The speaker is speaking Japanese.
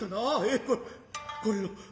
えっこれこれを。